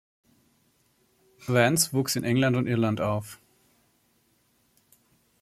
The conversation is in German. Vance wuchs in England und Irland auf.